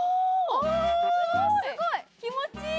すごい気持ちいい。